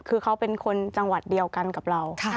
คือเขาเป็นคนจังหวัดเดียวกันกับเรา